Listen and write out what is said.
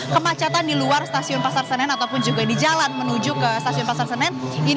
kemacetan di luar stasiun pasar senen ataupun juga di jalan menuju ke stasiun pasar senen